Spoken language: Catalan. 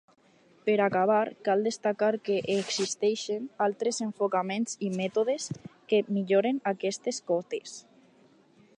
Per acabar, cal destacar que existeixen altres enfocaments i mètodes que milloren aquestes cotes.